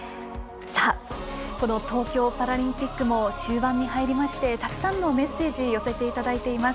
この東京パラリンピックも終盤に入りましてたくさんのメッセージ寄せていただいています。